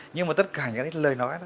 nhưng mà tất cả những lời nói đó